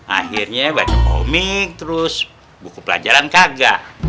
akhirnya baca komik terus buku pelajaran kagak